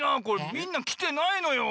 みんなきてないのよ。